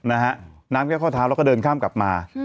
น้ำแค่ข้อเท้าแล้วก็เดินข้ามกลับมา